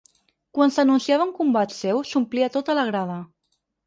Quan s’anunciava un combat seu, s’omplia tota la grada.